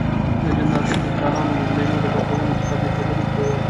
د جنراتور د چالان او مبلينو د بدلولو څخه بې خبري ښوول.